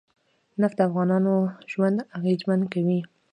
نفت د افغانانو ژوند اغېزمن کوي.